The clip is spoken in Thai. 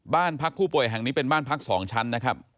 บ้านพักผู้ป่วยแห่งนี้เป็นบ้านพัก๒ชั้นนะครับ